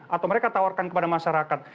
atau mereka tawarkan kepada masyarakat